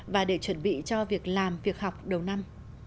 và để chuẩn bị cho việc làm việc học đầu năm